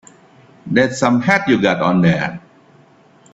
That's some hat you got on there.